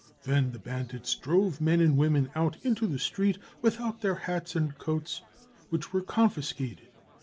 Then the bandits drove men and women out into the street without their hats and coats, which were confiscated.